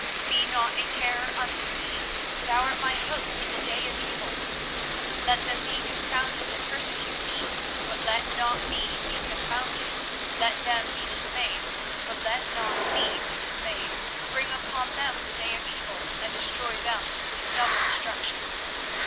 24:017:017 Be not a terror unto me: thou art my hope in the day of evil. 24:017:018 Let them be confounded that persecute me, but let not me be confounded: let them be dismayed, but let not me be dismayed: bring upon them the day of evil, and destroy them with double destruction.